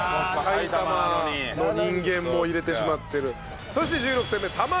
埼玉の人間も入れてしまっている。